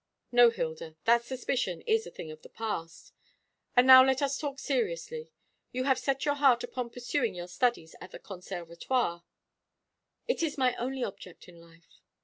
"No, Hilda, that suspicion is a thing of the past. And now let us talk seriously. You have set your heart upon pursuing your studies at the Conservatoire?" "It is my only object in life."